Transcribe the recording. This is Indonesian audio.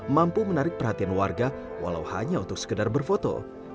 mampu menarik perhatian warga walau hanya untuk sekedar berfoto